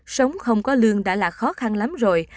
sống không có lương đã là khó khăn lắm rồi